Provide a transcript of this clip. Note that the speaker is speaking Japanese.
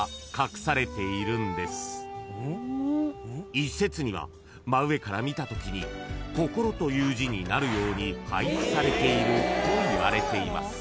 ［一説には真上から見たときに「心」という字になるように配置されているといわれています］